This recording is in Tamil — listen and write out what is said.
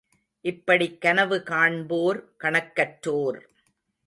இப்படிக் கனவு காண்போர் கணக்கற்றோர்.